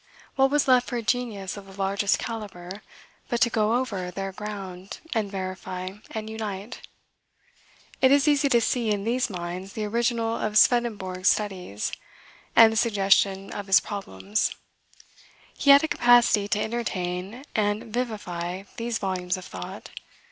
What was left for a genius of the largest calibre, but to go over their ground, and verify and unite? It is easy to see, in these minds, the original of Swedenborg's studies, and the suggestion of his problems. He had a capacity to entertain and vivify these volumes of thought.